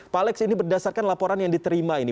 pak alex ini berdasarkan laporan yang diterima ini